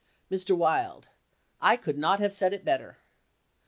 Mr. Wild. I could not have said it better.